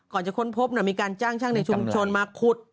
จะค้นพบมีการจ้างช่างในชุมชนมาขุด